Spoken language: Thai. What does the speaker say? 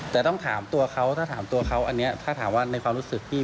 แต่ต้องถามตัวเขาถ้าถามตัวเขาอันนี้ถ้าถามว่าในความรู้สึกพี่